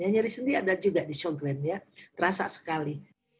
nyari sendi ada juga di sjogren terasa sekali